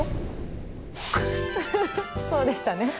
そうでしたね。